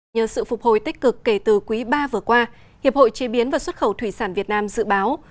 nhờ sự phục hồi tích cực kể từ quý ba vừa qua hiệp hội chế biến và xuất khẩu thủy sản việt nam dự báo